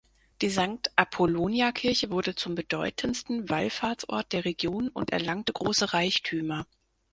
Die Sankt-Apollonia-Kirche wurde zum bedeutendsten Wallfahrtsort der Region und erlangte große Reichtümer.